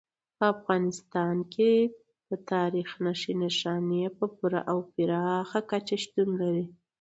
په افغانستان کې د تاریخ نښې نښانې په پوره او پراخه کچه شتون لري.